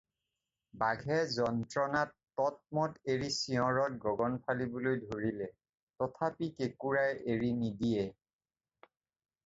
বাঘে যন্ত্ৰণাত ততমত এৰি চিঞৰত গগন ফালিবলৈ ধৰিলে, তথাপি কেঁকোৰাই এৰি নিদিয়ে।